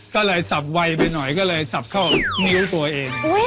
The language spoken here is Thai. ก็เลยสับไวไปหน่อยก็เลยสับเข้านิ้วตัวเอง